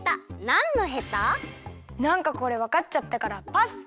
なんかこれわかっちゃったからパス！